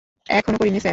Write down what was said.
এখনো করিনি, স্যার।